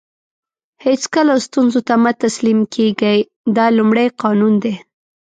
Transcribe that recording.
هیڅکله ستونزو ته مه تسلیم کېږئ دا لومړی قانون دی.